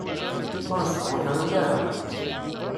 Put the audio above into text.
Ur sbuḥruy ara.